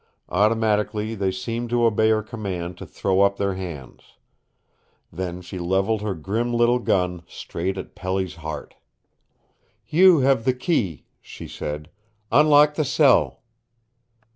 Automatically they seemed to obey her command to throw up their hands. Then she leveled her grim little gun straight at Pelly's heart. "You have the key," she said. "Unlock the cell!"